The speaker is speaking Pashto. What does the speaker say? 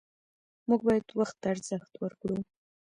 موږ باید وخت ته ارزښت ورکړو